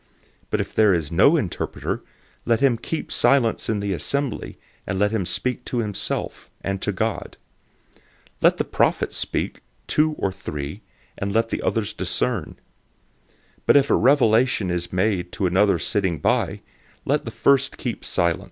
014:028 But if there is no interpreter, let him keep silent in the assembly, and let him speak to himself, and to God. 014:029 Let the prophets speak, two or three, and let the others discern. 014:030 But if a revelation is made to another sitting by, let the first keep silent.